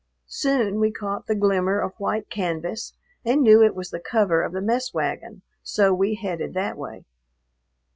Soon we caught the glimmer of white canvas, and knew it was the cover of the mess wagon, so we headed that way.